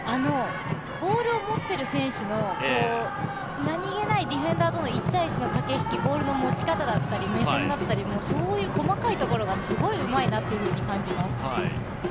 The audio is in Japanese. ボールを持っている選手の何気ないディフェンダーとの１対１の駆け引き、ボールの持ち方だったり目線だったりそういう細かいところがすごいうまいなっていうふうに感じます。